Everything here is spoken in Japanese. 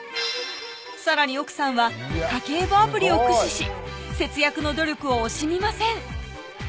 さらに奥さんは家計簿アプリを駆使し節約の努力を惜しみません